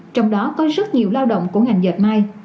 trong đó có rất nhiều lao động của ngành dệt may